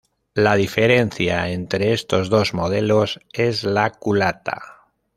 La diferencia entre estos dos modelos es la culata.